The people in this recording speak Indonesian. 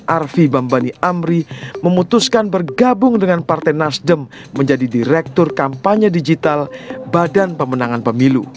arfi bambani amri memutuskan bergabung dengan partai nasdem menjadi direktur kampanye digital badan pemenangan pemilu